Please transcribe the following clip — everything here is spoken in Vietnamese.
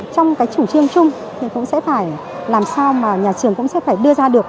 trong cái chủ trương chung thì cũng sẽ phải làm sao mà nhà trường cũng sẽ phải đưa ra được